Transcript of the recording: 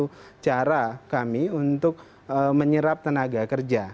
karena ini adalah cara kami untuk menyerap tenaga kerja